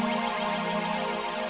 insya allah gak sanggup